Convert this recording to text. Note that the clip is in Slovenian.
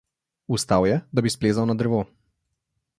Vstal je, da bi splezal na drevo.